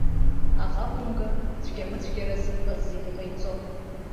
Аӷа хәымга, цәгьамыцәгьарас иҟаз зегьы ҟаиҵон.